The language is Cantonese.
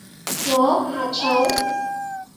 我？呷醋？